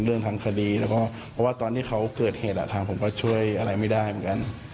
เรื่องทางคดีแล้วก็เพราะว่าตอนที่เขาเกิดเหตุทางผมก็ช่วยอะไรไม่ได้เหมือนกัน